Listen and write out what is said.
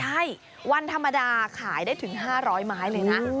ใช่วันธรรมดาขายได้ถึง๕๐๐ไม้เลยนะ